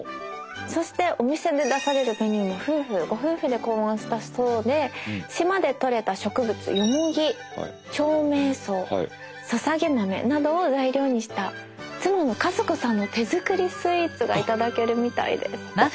そしてお店で出されるメニューもご夫婦で考案したそうで島でとれた植物ヨモギ長命草ささげ豆などを材料にした妻の和子さんの手作りスイーツが頂けるみたいです。